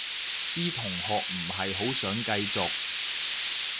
啲同學唔係好想繼續